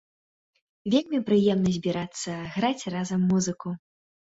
Вельмі прыемна збірацца, граць разам музыку!